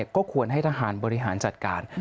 ก็ควรให้ทหารบริหารจัดการ